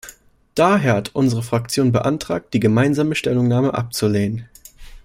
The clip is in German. Daher hat unsere Fraktion beantragt, die gemeinsame Stellungnahme abzulehnen.